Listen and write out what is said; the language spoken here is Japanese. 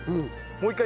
もう一回？